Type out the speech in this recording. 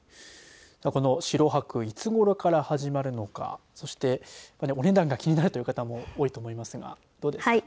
この城泊いつごろから始まるのかそして、お値段が気になるという方も多いと思いますがどうですか。